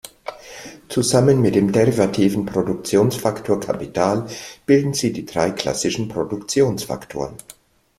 Zusammen mit dem derivativen Produktionsfaktor Kapital bilden sie die drei klassischen Produktionsfaktoren.